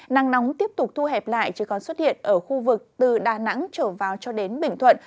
nắng nóng tiếp tục thu hẹp lại chứ còn xuất hiện ở khu vực từ đà nẵng trở vào cho đến bình thuận